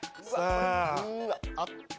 うわあった。